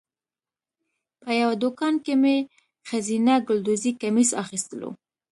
په یوه دوکان کې مې ښځینه ګلدوزي کمیس اخیستلو.